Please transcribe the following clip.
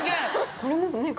これもね。